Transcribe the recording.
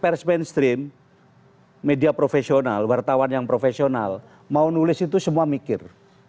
pers mainstream media profesional wartawan yang profesional mau nulis itu semua mikir